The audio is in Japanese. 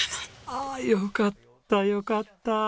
ああよかったよかった！